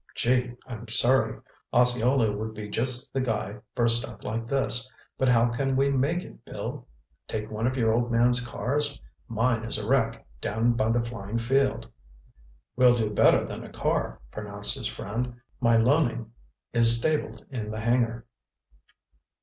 "Gee, I'm sorry. Osceola would be just the guy for a stunt like this. But how can we make it, Bill? Take one of your old man's cars? Mine is a wreck, down by the flying field." "We'll do better than a car," pronounced his friend. "My Loening is stabled in the hangar."